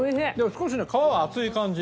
少しね皮は厚い感じ。